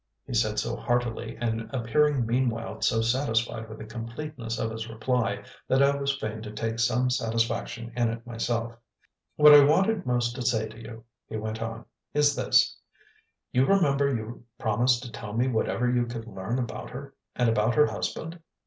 he said so heartily, and appearing meanwhile so satisfied with the completeness of his reply, that I was fain to take some satisfaction in it myself. "What I wanted most to say to you," he went on, "is this: you remember you promised to tell me whatever you could learn about her and about her husband?"